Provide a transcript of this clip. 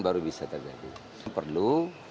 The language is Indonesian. baru bisa terjadi perlu